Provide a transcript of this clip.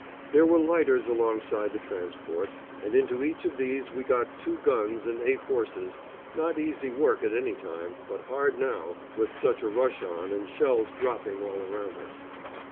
There were lighters alongside the transport, and into each of these we got two guns and eight horses, not easy work at any time, but hard now, with such a rush on and shells dropping all around us.